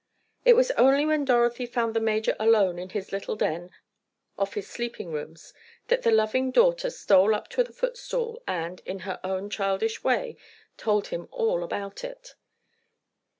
It was only when Dorothy found the major alone in his little den off his sleeping rooms that the loving daughter stole up to the footstool, and, in her own childish way, told him all about it.